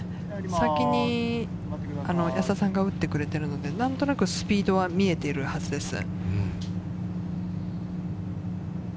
先に安田さんが打ってくれてるので、何となくスピードは見えてるはずです。